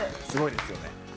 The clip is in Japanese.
すごいですよね。